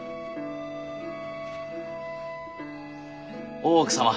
大奥様